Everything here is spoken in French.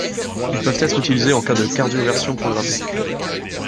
Ils peuvent être utilisés en cas de cardioversion programmée.